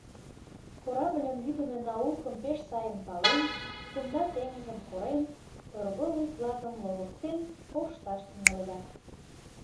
Корабльым вӱдымӧ наукым пеш сайын пален, кумда теҥызым корен, торговый флагым ловыктен кошташ тӱҥалыда...